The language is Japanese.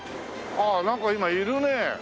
あっなんか今いるね。